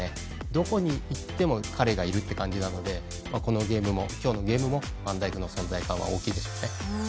どこにいっても彼がいるという感じなのでこのゲームも今日のゲームもファンダイクの存在感は大きいでしょうね。